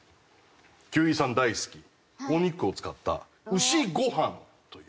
休井さん大好きお肉を使った牛ご飯というもので。